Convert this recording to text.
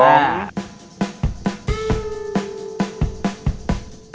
น้ำมันผัดพริกแกง